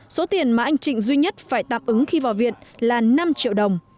số tiền mà anh trịnh duy nhất phải tạm ứng khi vào viện là năm triệu đồng